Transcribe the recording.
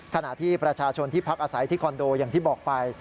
ขณะที่ประชาชนที่พักอาศัยที่คอนโดอย่างที่บอกไป